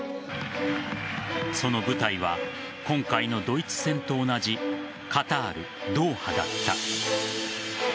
その舞台は今回のドイツ戦と同じカタール・ドーハだった。